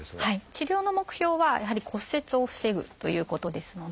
治療の目標はやはり骨折を防ぐということですので。